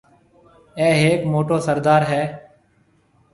اَي هيڪ موٽو سردار هيَ۔